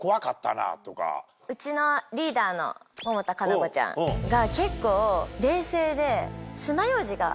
うちのリーダーの百田夏菜子ちゃんが。